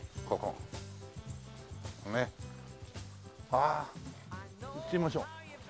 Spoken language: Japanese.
ああ行ってみましょう。